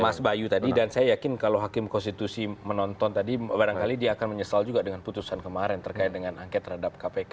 mas bayu tadi dan saya yakin kalau hakim konstitusi menonton tadi barangkali dia akan menyesal juga dengan putusan kemarin terkait dengan angket terhadap kpk